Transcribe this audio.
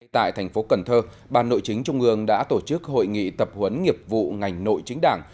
tại thành phố cần thơ ban nội chính trung ương đã tổ chức hội nghị tập huấn nghiệp vụ ngành nội chính đảng